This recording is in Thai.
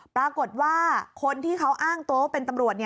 ปรากฏว่าคนที่เขาอ้างตัวว่าเป็นตำรวจ